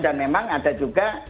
dan memang ada juga